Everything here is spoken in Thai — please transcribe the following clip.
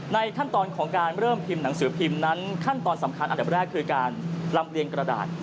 ขั้นตอนของการเริ่มพิมพ์หนังสือพิมพ์นั้นขั้นตอนสำคัญอันดับแรกคือการลำเลียงกระดาษ